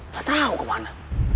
gak tau kemana